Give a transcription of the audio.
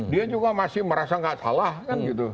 dia juga masih merasa nggak salah kan gitu